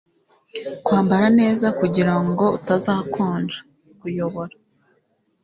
Kwambara neza kugirango utazakonja (_kuyobora)